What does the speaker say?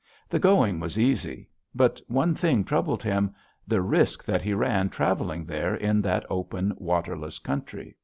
The going was easy. But one thing troubled him: the risk that he ran traveling there in that open, waterless country.